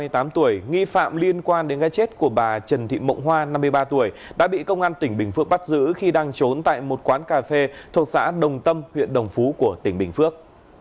sau hơn một mươi tám giờ bỏ chốn châu ngọc hưng ba mươi tám tuổi nghi phạm liên quan đến gai chết của bà trần thị mộng hoa năm mươi ba tuổi đã bị công an tỉnh bình phước bắt giữ khi đang trốn tại một quán cà phê thuộc xã đồng tâm huyện đồng phú của tỉnh bình phước